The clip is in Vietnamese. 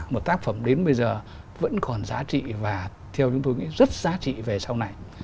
một tác phẩm đến bây giờ vẫn còn giá trị và theo chúng tôi nghĩ rất giá trị về sau này